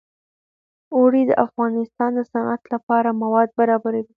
اوړي د افغانستان د صنعت لپاره مواد برابروي.